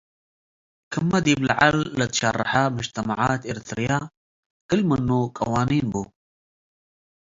ክመ ዲብ ለዐል ለትሸረሐ ምጅትማዐት ኤረትርየ ክል ምኑ ቀዋኒኑ ቡ ።